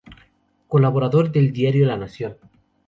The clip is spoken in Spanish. Colaborador del "diario La Nación".